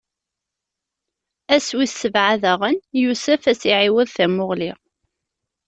Ass wis sebɛa daɣen, Yusef ad s-iɛiwed tamuɣli.